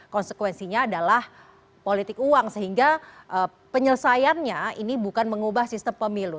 konsekuensinya adalah politik uang sehingga penyelesaiannya ini bukan mengubah sistem pemilu